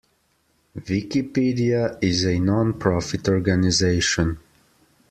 Wikipedia is a non-profit organization.